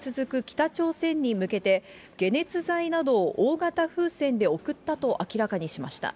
北朝鮮に向けて、解熱剤などを大型風船で送ったと明らかにしました。